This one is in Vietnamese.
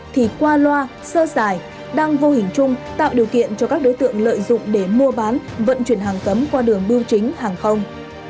thì qua loa sơ xài đang vô hình chung tạo điều kiện cho các đối tượng lợi dụng để mua bán vận chuyển hàng cấm qua đường bưu chính hàng không